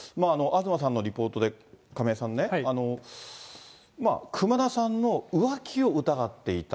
東さんのリポートで、亀井さんね、熊田さんの浮気を疑っていた。